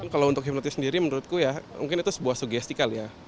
kalau untuk himnotis sendiri menurutku ya mungkin itu sebuah sugestical ya